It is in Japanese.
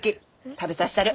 食べさしたる。